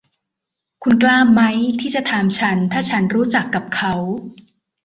คุณกล้ามั้ยที่จะถามฉันถ้าฉันรู้จักกับเขา